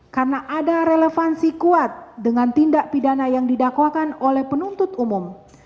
karena ada relevansi kuat dengan tindak pidana yang didakwakan oleh penuntut umum